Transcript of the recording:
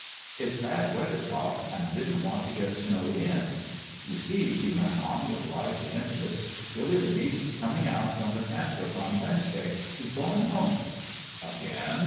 " It's bad weather, pop, and I didn't want to get snowed in. You see," he ran on, with lively interest, "Billy the Beast's coming out from the Cant hook on Wednesday. He's going home "" Again?"